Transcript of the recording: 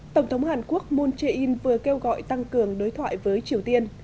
tổng thống hàn quốc moon jae in vừa kêu gọi tăng cường đối thoại với triều tiên